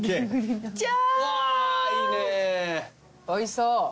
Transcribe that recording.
おいしそう。